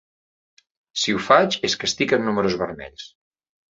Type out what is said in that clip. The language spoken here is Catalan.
Si ho faig és que estic en números vermells.